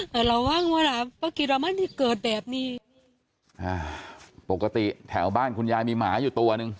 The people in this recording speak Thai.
แต่ระวังเวลาปกติเราไม่ได้เกิดแบบนี้อ่าปกติแถวบ้านคุณยายมีหมาอยู่ตัวหนึ่ง